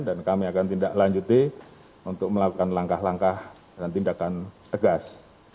dan kami akan tindak lanjuti untuk melakukan langkah langkah dan tindakan tegas